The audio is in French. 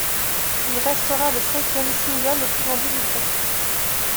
Il restera le cinquième single le plus vendu du groupe.